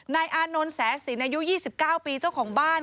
นายอานนมนต์แสสิรินอายุ๒๙ปีเจ้าของบ้าน